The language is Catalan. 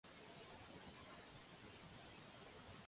Què li van mostrar a Heinrich Schliemann perquè escollís una?